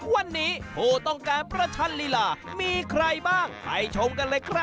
วันนี้ผู้ต้องการประชันลีลามีใครบ้างไปชมกันเลยครับ